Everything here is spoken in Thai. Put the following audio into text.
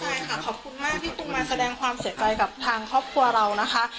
ใช่ค่ะขอบคุณมากที่ตุ้มมาแสดงความเสียใจกับทางครอบครัวเรานะคะ